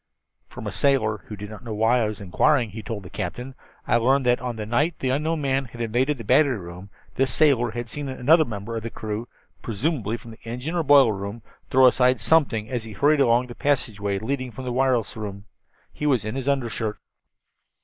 "From a sailor who did not know why I was inquiring," he told the captain, "I learned that on the night the unknown man invaded the battery room this sailor had seen another member of the crew, presumably from the engine or boiler room, throw aside something as he hurried along the passageway leading from the wireless room. He was in his undershirt.